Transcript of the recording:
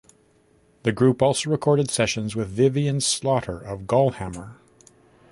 The group also recorded sessions with Vivian Slaughter of Gallhammer.